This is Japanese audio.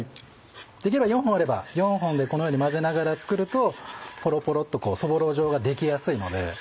できれば４本あれば４本でこのように混ぜながら作るとポロポロっとそぼろ状が出来やすいので。